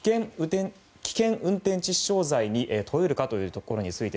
危険運転致死傷罪に問えるかというところについて